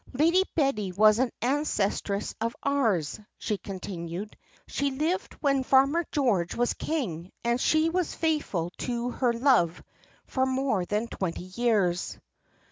Lady Betty was an ancestress of ours," she continued; "she lived when farmer George was king, and she was faithful to her love for more than twenty years."